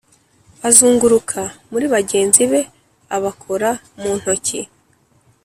azunguruka muri bagenzi be abakora mu ntoki,